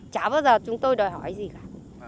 chả bao giờ chúng tôi đòi hỏi gì cả